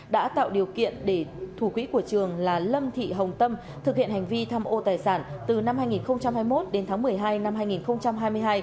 đã tạo điều kiện để thủ quỹ của trường là lâm thị hồng tâm thực hiện hành vi tham ô tài sản từ năm hai nghìn hai mươi một đến tháng một mươi hai năm hai nghìn hai mươi hai